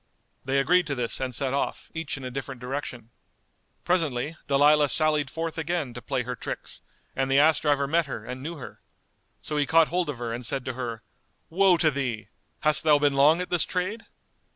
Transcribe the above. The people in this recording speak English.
They agreed to this and set off, each in a different direction. Presently, Dalilah sallied forth again to play her tricks and the ass driver met her and knew her. So he caught hold of her and said to her, "Woe to thee! Hast thou been long at this trade?"